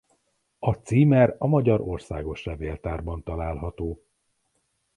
A címer a Magyar Országos Levéltárban található.